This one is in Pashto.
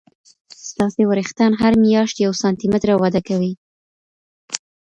ستاسې وریښتان هر میاشت یو سانتي متره وده کوي.